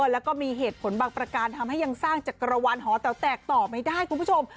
แล้วก็มีเหตุผลบางประการทำให้ยังสร้างจักรวาลหอแต๋วแตกต่อไม่ได้คุณผู้ชม